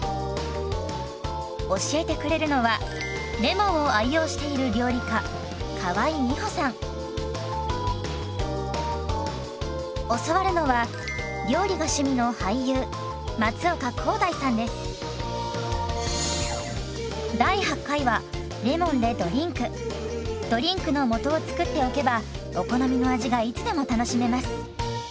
教えてくれるのはレモンを愛用している教わるのはドリンクの素を作っておけばお好みの味がいつでも楽しめます。